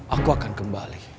aku akan kembali